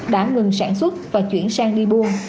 đã ngừng sản xuất và chuyển sang đi buôn